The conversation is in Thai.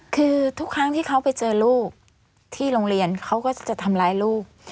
คือทุกครั้งที่เขาไปเจอลูกที่โรงเรียนเขาก็จะทำร้ายลูก